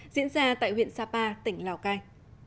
diễn ra tại huyện sapa tỉnh lào cai